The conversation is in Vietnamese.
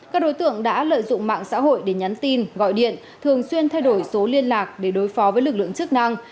các đối tượng đã lợi dụng mạng xã hội để nhắn tin gọi điện thường xuyên thay đổi số liên lạc để đối phó với lực lượng chức năng